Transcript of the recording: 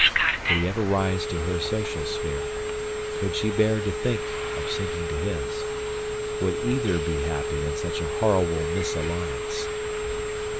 Could he ever rise to her social sphere? Could she bear to think of sinking to his? Would either be happy in such a horrible misalliance?